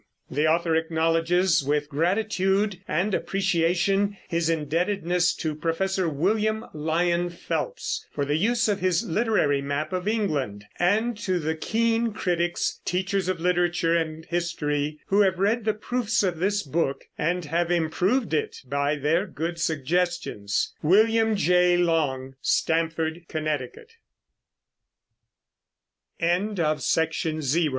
The author acknowledges, with gratitude and appreciation, his indebtedness to Professor William Lyon Phelps for the use of his literary map of England, and to the keen critics, teachers of literature and history, who have read the proofs of this book, and have improved it by their good suggestions. WILLIAM J. LONG STAMFORD, CONNECTICUT CONTENTS CH